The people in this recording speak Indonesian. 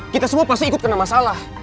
kita semua pasti ikut kena masalah